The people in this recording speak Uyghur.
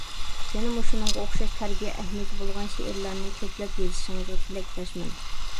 يەنە مۇشۇنىڭغا ئوخشاش تەربىيە ئەھمىيىتى بولغان شېئىرلارنى كۆپلەپ يېزىشىڭىزغا تىلەكداشمەن.